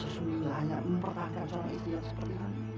harus minta allah yang mempertahankan seorang istri yang seperti itu